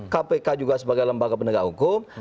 kpk juga sebagai lembaga penegak hukum